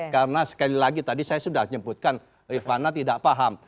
karena sekali lagi tadi saya sudah nyebutkan rifana tidak paham